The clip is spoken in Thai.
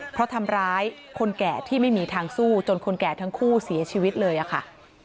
เพราะทำร้ายคนแก่ที่ไม่มีทางสู้จนคนแก่ทั้งคู่เสียชีวิตเลยค่ะ